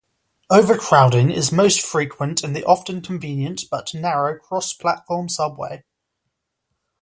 Overcrowding is most frequent in the often convenient but narrow cross-platform subway.